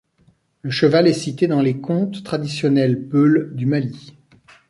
Le cheval est cité dans les contes traditionnels Peuls du Mali.